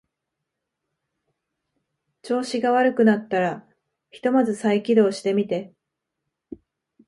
調子が悪くなったらひとまず再起動してみて